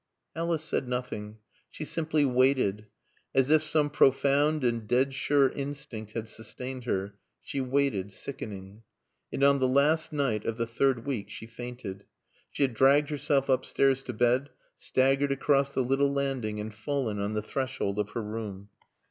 Alice said nothing. She simply waited. As if some profound and dead sure instinct had sustained her, she waited, sickening. And on the last night of the third week she fainted. She had dragged herself upstairs to bed, staggered across the little landing and fallen on the threshold of her room.